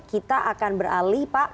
kita akan beralih pak